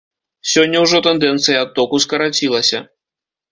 Сёння ўжо тэндэнцыя адтоку скарацілася.